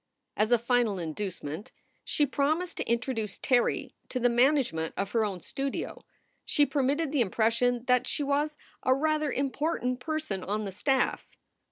As a final inducement she promised to introduce Terry to the management of her own studio. She permitted the impression that she was a rather important person on the staff.